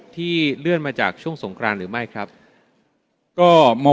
ที่เลื่อนมาจากช่วงงราณหรือไม้ครับก็มา